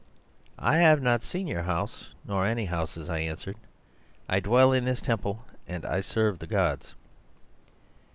"'I have not seen your house nor any houses,' I answered. 'I dwell in this temple and serve the gods.